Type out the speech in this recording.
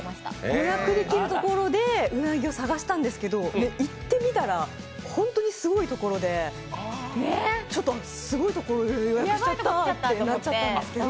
予約できるところで鰻を探したんですけど、行ってみたら、本当にすごいところで、ちょっとすごいところ予約しちゃったってなっちゃたｔんですけど。